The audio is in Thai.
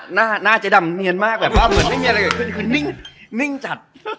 หน้าเจ๊ดำเนียนมากแบบว่าเหมือนไม่มีอะไรเกิดขึ้นคือนิ่งจัด